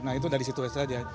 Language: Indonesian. nah itu dari situ saja